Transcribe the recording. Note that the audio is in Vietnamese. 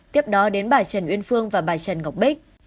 tiếp đó đến bà trần uyên phương và bà trần ngọc bích